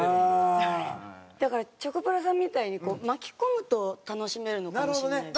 だからチョコプラさんみたいに巻き込むと楽しめるのかもしれないですね。